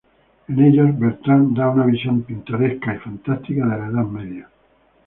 En ellos, Bertrand da una visión pintoresca y fantástica de la Edad Media.